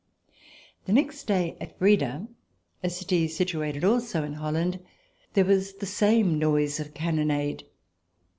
The next day, at Breda, a city situated also in Holland, there was the same noise of cannon ade.